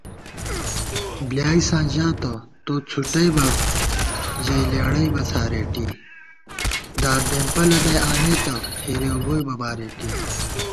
بلیائساں ژاتہ توڅھُوٹئبہ ژَئی لېڑَئبہ څھارېٹی دار ڈېمپہ لَدَئی آنېتہ ہېریؤ گوئیبہ بارېٹی